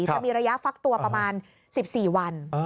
จะมีระยะฟักตัวประมาณ๑๔วัน